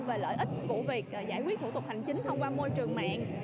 về lợi ích của việc giải quyết thủ tục hành chính thông qua môi trường mạng